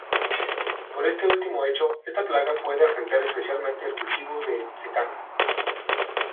Por este último hecho, esta plaga puede afectar especialmente al cultivo del secano.